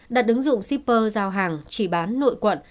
đặt ứng dụng shipper giao hàng chỉ bán nội quận